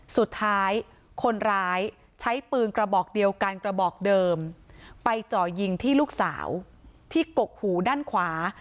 สุดท้ายคนร้ายใช้ปืนกระบอกเดียวกันกระบอกเดิมไปเจาะยิงที่ลูกสาวที่กกหูด้านขวา